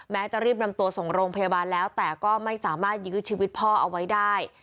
จะรีบนำตัวส่งโรงพยาบาลแล้วแต่ก็ไม่สามารถยื้อชีวิตพ่อเอาไว้ได้